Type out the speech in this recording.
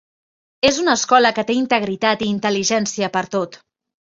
És una escola que té integritat i intel·ligència per tot.